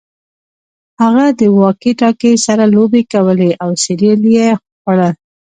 هغه د واکي ټاکي سره لوبې کولې او سیریل یې خوړل